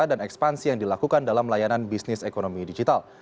dan ekspansi yang dilakukan dalam layanan bisnis ekonomi digital